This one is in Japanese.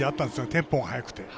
テンポが速くて。